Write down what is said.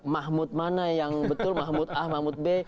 mahmud mana yang betul mahmud a mahmud b